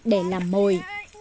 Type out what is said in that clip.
để làm mồi